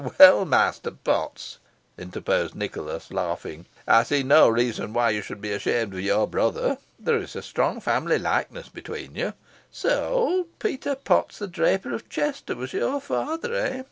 "Well, Master Potts," interposed Nicholas, laughing, "I see no reason why you should be ashamed of your brother. There is a strong family likeness between you. So old Peter Potts, the draper of Chester, was your father, eh?